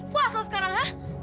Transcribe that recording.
puas lo sekarang